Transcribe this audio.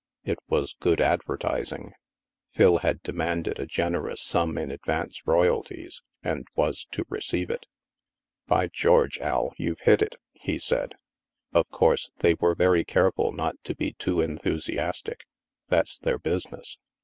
It was good advertising. Phil had demanded a generous sum in advance royalties, and was to receive it. " By George, Al, you've hit it," he said. " Of course, they were very careful not to be too enthusi astic ; that's their business.